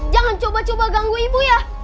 jangan coba coba ganggu ibu ya